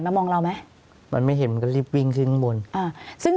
มองเราไหมมันไม่เห็นมันก็รีบวิ่งขึ้นข้างบนอ่าซึ่ง